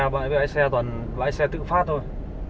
bãi xe toàn bãi xe tự phát thôi